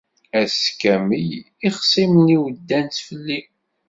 Ass kamel ixṣimen-iw ddan-tt fell-i.